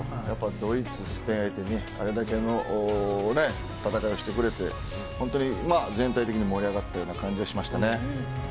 ドイツ、スペインにあれだけの戦いをしてくれて本当に全体的に盛り上がった感じはしましたね。